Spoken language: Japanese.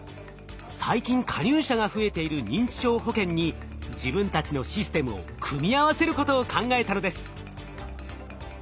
最近加入者が増えている認知症保険に自分たちのシステムを組み合わせることを考えたのです。